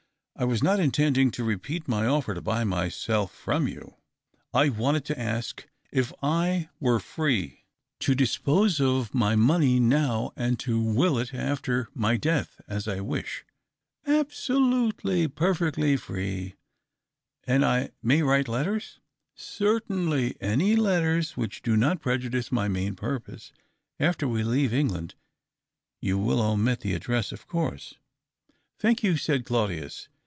I was not intending to repeat my offer to buy myself from you. I wanted to ask if I were free to THE OCrAVE OP CLAUDIUS. 319 dispose of my money now, and to wdl it after my death, as I wish ?"" Absolutely —perfectly free." " And I may w^rite letters ?"" Certainly — any letters which do not prejudice my main purpose. After we leave England you will omit the address, of course." " Thank you," said Claudius.